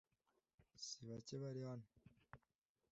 si bake bari hano